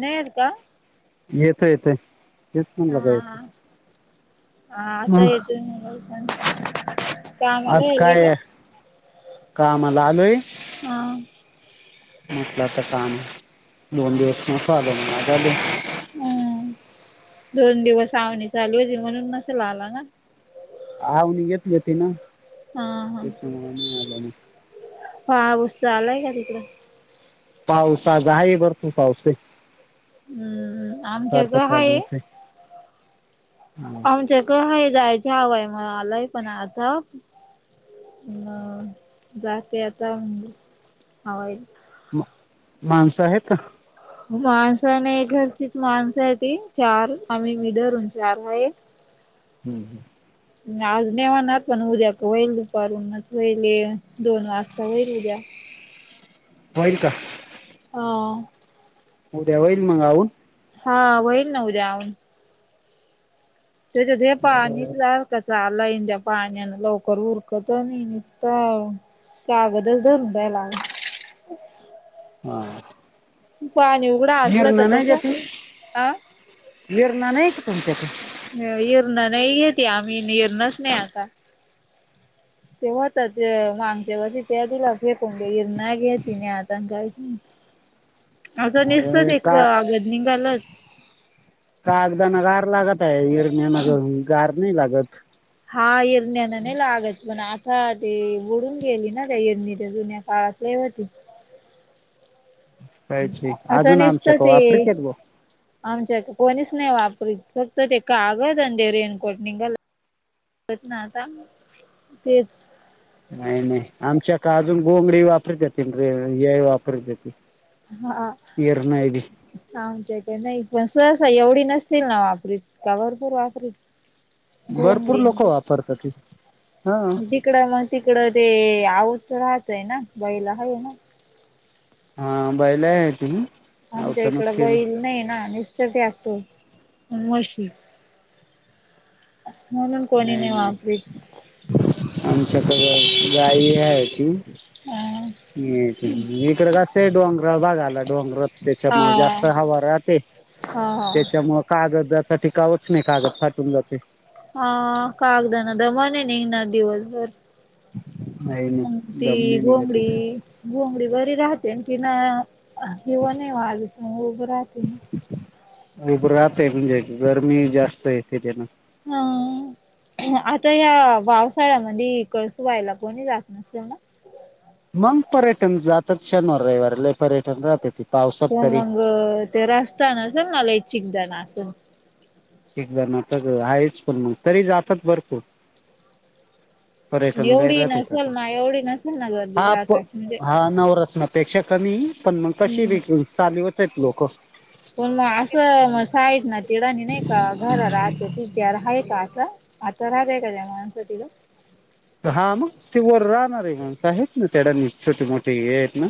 नाही येत का? येतोय येतोय तेच म्हणलं का येतोय. हां आता मग येतोय [unintelligible] आज गेले का काय, कामला आलोय. हां. म्हटलं आता काम, दोन दिवस नव्हतो आलो मग आज आलो. हम्म दोन दिवस आवनी चालू होती म्हणून नसेल आला ना. आावणी येत होती ना हा हा त्याच्यामुळे नाही आलो आणि. पाऊस झालाय का तिकड? पाऊस आज आहे भरपूर पाऊस आहे. हम्म आमच्या कड आहे. हम्म आमच्या क हाय जायच हवाय मला आलाय पण आता. जाते आता हवा येते. माणस आहेत का? माणस नाय घरचीच माणस आहे ती चार आम्ही मी धरून चार आहे. हम्म आज नाय होणार पण उद्या क होईल दुपारूनच होईल एक दोन वाजता होईल उद्या. होईल का? हां उद्या होईल मग आऊन. हा होईल ना उद्या आवरून. ते [unintelligible] पाणीच लाव. कसा आलय त्या पाण्यान लवकर उरकत अ नाही निसत. कागदच धरून रहायला. हां पाणी उघड असल तर कस आ. ईरना नाही का तुमच्या कड? इरणा नाहीये आम्ही इरणाच नाही आणला. [inaudible] ते होत ते मांगच्या वर्षी ते दिला फेकून देती नाही घेती नाही आता कायच. [inaudible] अग निसत अरे ते का कागद निघाला. कागदान गार लागतय इरण्यान गार नाही लागत. हा इरण्यान नाही लागत पण आता ते उडून गेली ना त्या इरणीच्या जुन्या काळात. लय व्हती. काहीच नाही आता अजून निसत आमच्याक ते वापरत्यात बुवा. आमच्या क कोणीच नाही वापरत फक्त ते कागद अन ते रेनकोट निघालय. तेच. नाही नाही आमच्या कड अजून घोंगडी वापरत्यात [unintelligible] हे वापरत्यात. हां आमच्या इथे नाही पण सहसा एवढी नसतील ना वापरीत का भरपूर वापरीतेत. भरपूर घोंगडी न लोक ते वापरतात. हा तिकड मग तिकड ते आऊत राहतय ना गाईला हाय ना? हा बैला आहे [unintelligible] आमच्या इकड केलं बैल नाही ना निसतच ट्रॅक्टर, आणि म्हशी. म्हणून कोणी नाही वापरीत. आमच्याकड गाई हाय ती. हम्म ते इकडे कस आहे डोंगराळ भाग आलाय डोंगरात. हा त्याच्यामुळ जास्त हवा राहते हा हा त्याच्यामुळ कागदाचा टिकावच नाही कागद फाटून जातोय. हा कागद न दम नाही निघणार दिवसभर. नाही नाही मग ती, दम नाही निघत घोंगडी त्याच्यात. घोंगडी बरी राहतेन. तिनं हिव नाही वाजत, ऊब राहती नं. ऊब राहातय. म्हणजे, गरमी जास्त येते त्यानं. हां. आता ह्या पावसाळ्यामधी, कळसूबाईला कोणी जात नसल ना? मग, पर्यटन जातात शनवार रयवार. लय पर्यटक जात्याती. हो मग, ते रास्ता नसल ना लई चिकदाण आसन. चिकदान आता तर हायच, पण तरी जातात भरपूर. पण पर्यटन लय एवढी राहत्यातं तिथं. नसेल ना एवढी नसेल ना गर्दी हा राहत प, अशी म्हणजे हा नवरत्नात पेक्षा कमी, पण मग [unintelligible] हम्म आहेत लोकं. पण मग असं, म साईट ना. ती राणी नाही का, घरं राहत्याती. त्यार हाय का आता? आता राहते का त्या माणसं तिथं? हा मग. ते वर राहणारे माणसं आहेत ना [unintelligible] छोटे मोठे हे आहेत ना.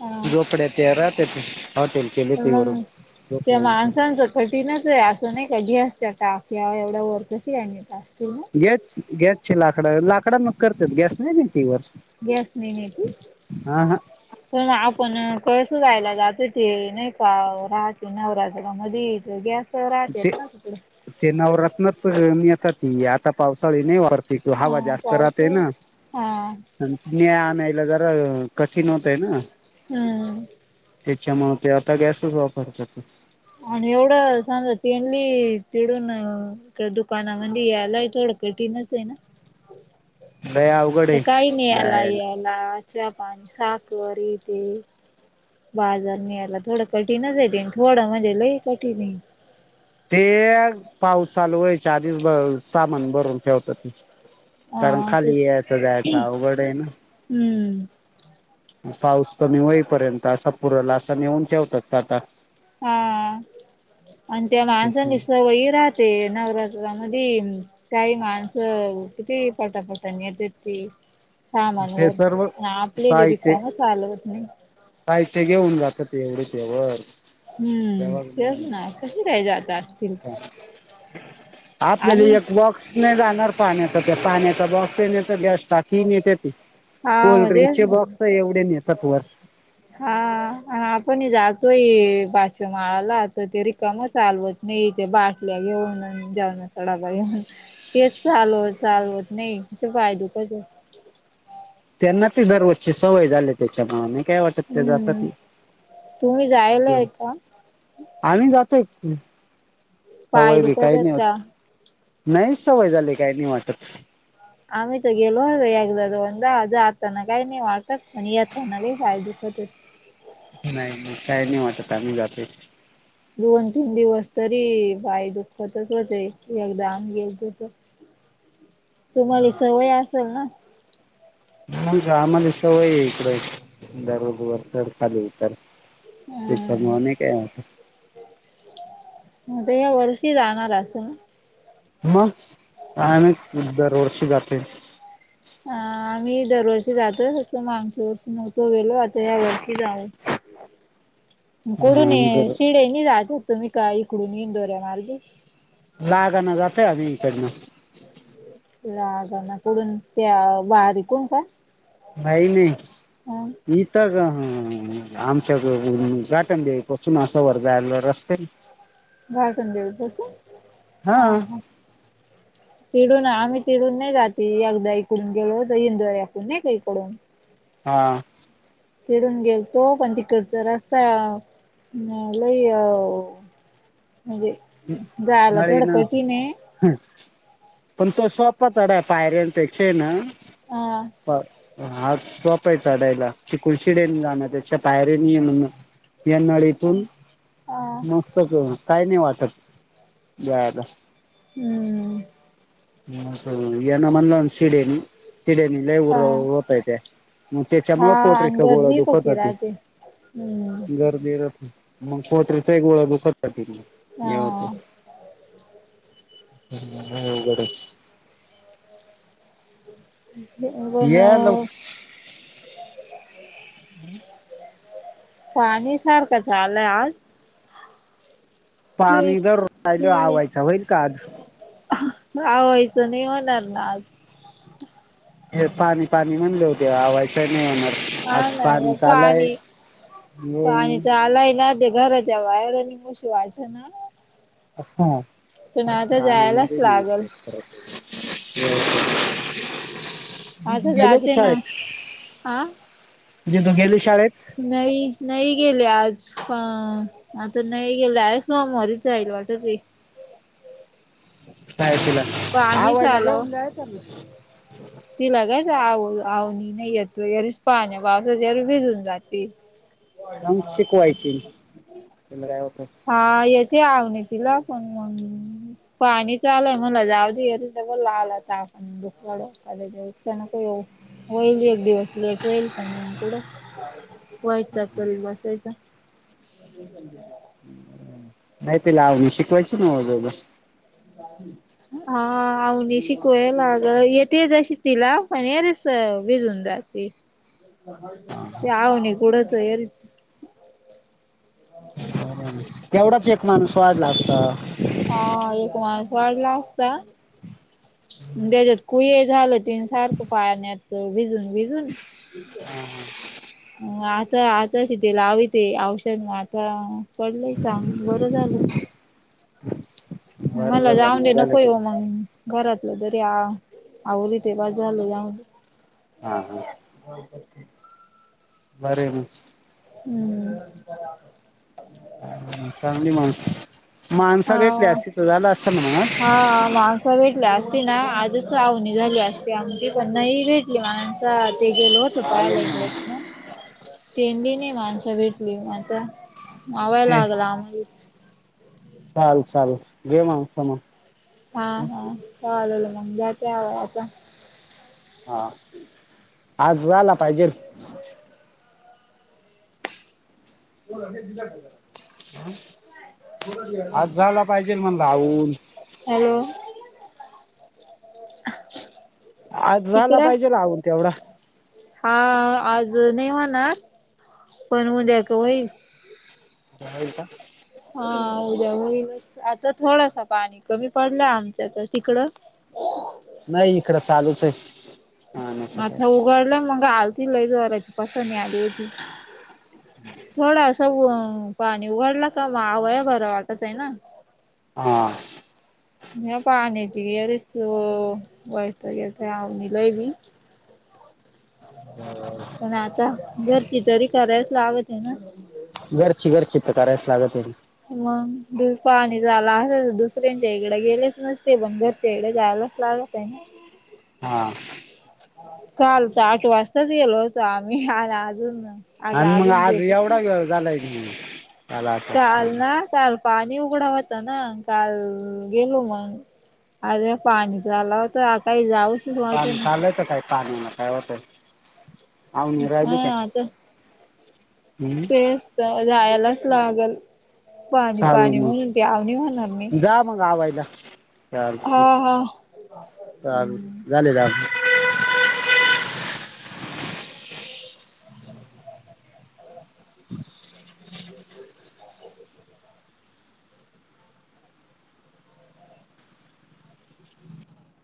हा झोपड्या ते राहत्यात. हॉटेल केलेती वरून झोपड्यांचं. कठीणचय. असं नाही का, गॅसच्या टाक्या एवढ्या वर, कशी आणीत असतील ना. गॅस- गॅसचे लाकडं, लाकडांवर करतेत. गॅस नाही नेत ती वर. गॅस नाही नेती? हा हा पण आपण कळसूबाईला जातो. ते नाही का राहते, नवरात्र मध्ये. गॅस तर ते राहतेत ना तिकडं? ते नवरत्नात नेतात ती. आता पावसाळी नाही वापरत. तिथं हवा हा जास्त राते ना. पावसाळ्यात हा अन्, न्या-आणायला जरा कठीण होतंय ना. हम्. त्याच्यामुळे, ते आता गॅसच वापरतात. आणि एवढं सांजा, तेंनी तिडून इकड दुकानामंदी यायलाही थोडं कठीणंचय नं? लय आवघ आता काय नाई याला यायला च्या-पाणी, साखर, हे ते. बाजारनं यायला थोडं कठीणचय ते. अन् थोडं म्हणजे लय कठीणय. ते हे, पाऊस चालू व्हायच्या आधीच भ सामान भरून ठेवतात ते. कारण हा खाली तेच यायचं-जायाचं आवघडय ना. हम्म मग पाऊस कमी होईपर्यंत, असा पुरला असा नेऊन ठेवतात आता. हा, अन् त्या माणसांनी सवयी राहत् ते नवरात्रामधी काही माणसं, किती पटापटा नेतेत ते. सामान ते वर. सर्व अन् आपल्याली साहित्य रिकामं चालवत नाही. साहित्य घेऊन जातात ते, एवढे ते वर. हम्म, तेच ना. कशी काय जातात? आपल्याली आम्ही यक बाॅक स नाही जाणार पाण्याचा. ते पाण्याचा बॉक्सही नेतात गेस्टा ती नेतेत ते. हा म्हणजे कोल्ड्रिंकचे बॉक्स एवढे नेतात वर. हा. अन् आपणी जातोय पाचव्या माळाला, तर ते रिकामं चालवत नाई ते बाटल्या घेऊन अन् जेवणाचा डबा घेऊन. तेच चालवत चालवत नाई. कसं पाय दुकतेत. त्यांना ती दररोजची सवय झालीये त्याच्यामुळं नाही काय वाट एकट्या जातात हम्म तुम्ही जायला आहे का [unintelligible] आम्ही जातोय की पाय सवय बी दुखत काही नाही आहेत होत. का नाही सवय झाली काय नाही वाटत. आम्ही तर गेलो हो एकदा दोनदा जाताना काही नाही वाटत पण येताना लय पाय दुख होते. नाही नाही काही नाही वाटत आम्ही जातो की. दोन तीन दिवस तरी पाय दुःखतच होते. की एकदा आम्ही गेलतो तर. [inaudible] तुम्हाले सवय असेल ना. मग काय आम्हाले सवय आहे. इकडे दररोज वर खाली उतर ह त्याच्यामुळे नाही काय वाटत म आता या वर्षी जाणार असं ना. मग कायमत दरवर्षी जाते. ह आम्ही दरवर्षी जातो असं मागच्यावर्षी नव्हतो गेलो आता या्या वर्षी जा. [inaudible] कोडून ये दर शिडे नाही जात होतो मी का इकडून, इंदुरी मार्गगे. लागा न जात आभी इकेडन. रागा [unintelligible] त्या बारीक होण का? नाहीले. ह इत का ह आमच्या घरुन गाटंधदेयाई पासून असं वर जायला रस्ते नाही. [inaudible] घाटून देवी पासून हा हा. [inaudible] तिडून आम्ही तिडून नाही जाती एकदा इकडून गेलो इंदरकड नाही का इकडून. हा तिथून गेल तो पण तिकड रस्ता लई अ म्हणजे जायला थोड कठीने आहे. ह पण तो सोपा चढा पायऱ्यांपेक्षा ना ह अ हा सोप आहे. चढायला तिकुन शीडडेनी जाणया पेक्षा पायरनी येन मग. या नळीतून अ मस्त काही नाही वाटत जायला. हम हा आता यांना म्हणलं सीडायडीनी. सिडयानी लैय हा उरव होतय त्या मग त्याच्यामुळे हा पोटरीच गोळा गर्दी दुखत पकी होती. राहते. हम्म गर्दी राहती मग पोटरीचा गोळा दुखत रात हे होते. हा हम्म लैय उवघड आहे. ये लव [unintelligible] पाणी सारखं चालय आज. पाणी जर राहिल आवायच होईल का आज. [unintelligible] लावायच नाही होणार न आज. हे पाणी पाणी म्हणले होते. लावायची नाही होणार. हा आज ना पाणी आलंय पाणी पाणी येईल तर आलाय ना ते घरात. ज्याव्हायर आणि म उशिवाटच ना हा पण ते आता आनी न जायलाच दिली लागल टेस्ट करायच ह आता [inaudible] गेले की जाते ना शाळेत, आ दोघं गेले शाळेत. नाही नाही गेले आज. पण आता नाही गेलं आहे, डायरेक्ट सोमवारीच जाईल वाटतं. तिला पाणीच आवयला आलं. घेऊन [inaudible] तिला कायच आव आवनी नाही येत जर पाहण्या पावसा जरी भिजून जाते. जाऊन हा शिकवायची तेच. त्याला काय होतं. ते आव तिला पण मग [inaudible] पाणी चालंय मला जावध ग ब ला आलाता आपण दुखड [inaudible] वक ये होईल एक दिवस [inaudible] लेट होईल पण पुुडं व्हायच क बसायचा [inaudible] ह [inaudible] नाही तिला शिकवायची नाजोबर [inaudible] ह [inaudible] हा आवणी शिकयलाग लागलं येते जशी तिला पनेरेस भिजून जाते. आवाज नाही आला [inaudible] ते अवनी कुडचय. तेवढाच एक माणूस वाढला असता हा एक माणूस वाढला असता. ग त्याच्यात कुय झालं त सारखं पाण्यात भिजून भिजून [inaudible] आता आता शी ते लावीते औषध ना आता पडलंय का बरं झालं की. बरं मला झालं जाऊडे मग झालं नको का येवु मग घरातलं तरी आलं, आवरीते बास झालं जा हा हा ह हो [inaudible] अरे मग हम्म चागली माणसंत, माणसा भेटले अस तिथं झालं असत ना, ह माणसा भेटल्या असती ना आजच आवणी झाली असती आमची पणना नाही भेटली माणसं. आता ते गेल होत आलो पाहायला इकडेत मग ना [inaudible] तेंडी नाही माणस भेटली माणस मावायला ते लागला आम्हाला [inaudible] चाल चाल घे मग हा हा चालेल मग त्या [unintelligible] हा आज झाला पाहिजे. ह [inaudible] ने दिाला [inaudible] आज झाला पाहिजे म्हणलं आउ हॅलो. आज झाला तिकडं पाहिजे ना [unintelligible] तेवढा हा आज नाही होनार पण उद्या तर होईल. ह का [inaudible] हा उद्या होईल आता थोडसा पाणी कमी पडलं आमच्यात तिकडं. नाही इकडं चालूच आहे. हा नाही आता सकाळी उघडलं मग आलती लैय जोराची पसनी आली होती. थोडं असं, पाणी उघडला का आवया बर वाटतं आहे ना? हा. [unintelligible] वैताग येतोय [unintelligible] ह. पण आता, घरची तरी करायच लागत आहे ना. घरची घरची तर करायच लागतीन. मग. [unintelligible] दुसऱ्यांच्या इकडं गेलेच नसते पण बर तेेडे जायलाच लागत आहे ना. हा. काल तर आठ वाजताच गेलो होतो आम्ही. आन अजून आन आता मग अजून आज गेलोच एवढा नाही वेळ झालाय त्याला आता काल ना? पाणी काल पाणी उघडा होता ना, काल गेलो मग. अरे पाणी झाला होता, आताही जाऊ पाणी चालतंच हा य पाणीला काय व्हतंय? आवणी राहिली हा का आता हम्म? तेच तर जायलाच लागल. पाणी चालेल पाणी म्हणून मग ती आवणी होणार नाही. जा मग आवायला. चालतय, हा हा चाल हम्म झाले झालय. [unintelligible]